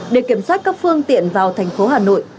để kiểm soát các phương tiện vào thành phố hà nội